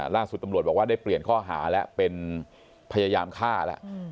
ล่าสุดตำรวจบอกว่าได้เปลี่ยนข้อหาแล้วเป็นพยายามฆ่าแล้ว